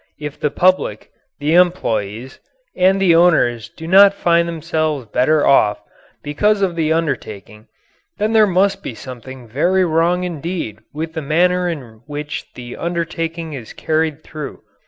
If the public, the employees, and the owners do not find themselves better off because of the undertaking, then there must be something very wrong indeed with the manner in which the undertaking is carried through.